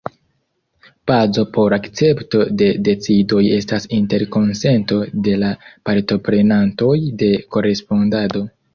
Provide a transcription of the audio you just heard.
Bazo por akcepto de decidoj estas interkonsento de la partoprenantoj de korespondado.